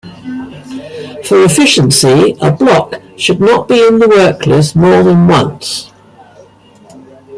For efficiency, a block should not be in the work list more than once.